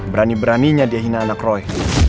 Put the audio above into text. berani beraninya dia hina anak roy